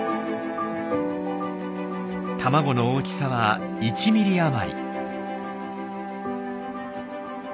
卵の大きさは１ｍｍ余り。